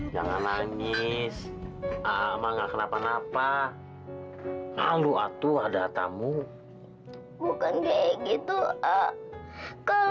jangan nangis ama nggak kenapa napa lalu atuh ada tamu bukan kayak gitu kalau sakit siapa